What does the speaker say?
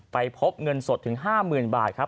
ไปพบเงินสดถึงห้าหมื่นบาทครับ